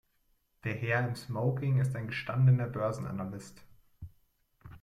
Der Herr im Smoking ist ein gestandener Börsenanalyst.